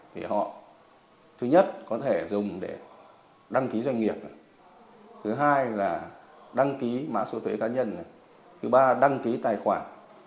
thì họ thứ nhất có thể dùng để đăng ký doanh nghiệp thứ hai là đăng ký mã số thuế cá nhân thứ ba là đăng ký tài khoản